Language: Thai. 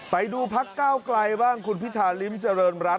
ไปดูพักเก้าไกลบ้างคุณพิธาริมเจริญรัฐ